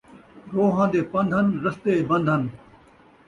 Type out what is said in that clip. روہاں دے پن٘دھ ہن ، رستے بن٘د ہن